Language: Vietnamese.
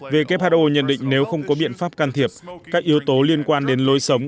who nhận định nếu không có biện pháp can thiệp các yếu tố liên quan đến lối sống